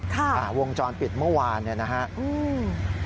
ค่ะค่ะวงจรปิดเมื่อวานนะครับอืม